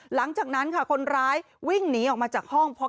หลังจากนั้นค่ะคนร้ายวิ่งหนีออกมาจากห้อง